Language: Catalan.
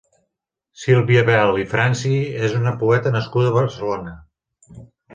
Sílvia Bel i Fransi és una poeta nascuda a Barcelona.